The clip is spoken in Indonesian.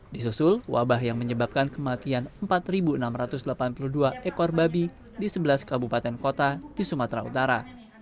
disusul wabah yang menyebabkan kematian empat enam ratus delapan puluh dua ekor babi di sebelas kabupaten kota di sumatera utara